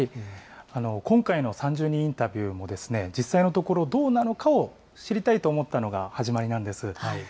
今回の３０人インタビューも、実際のところ、どうなのかを知りたいと思ったのが始まりなんです。